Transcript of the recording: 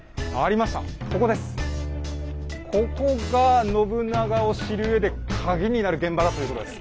ここが信長を知るうえでカギになる現場だということです。